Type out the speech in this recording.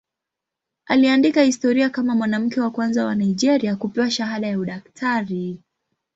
Aliandika historia kama mwanamke wa kwanza wa Nigeria kupewa shahada ya udaktari.